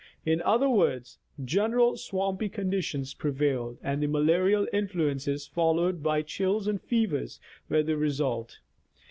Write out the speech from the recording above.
In other words, general swampy conditions prevailed, and malarial influences followed by chills and fevers were the result.